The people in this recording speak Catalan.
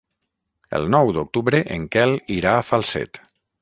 El nou d'octubre en Quel irà a Falset.